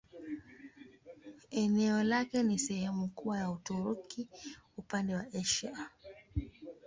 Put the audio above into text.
Eneo lake ni sehemu kubwa ya Uturuki upande wa Asia.